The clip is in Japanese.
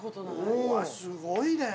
うわっすごいね。